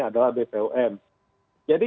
adalah bpom jadi